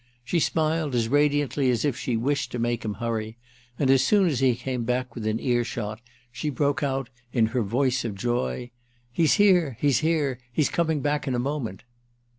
She smiled as radiantly as if she wished to make him hurry, and as soon as he came within earshot she broke out in her voice of joy: "He's here—he's here—he's coming back in a moment!"